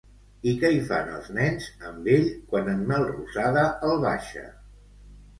I què hi fan els nens amb ell quan en Melrosada el baixa?